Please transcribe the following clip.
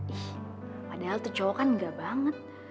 ih padahal tuh cowok kan nggak banget